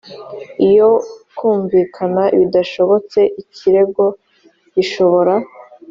iyo kumvikana bidashobotse ikirego gishobora